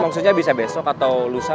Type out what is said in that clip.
maksudnya bisa besok atau lusa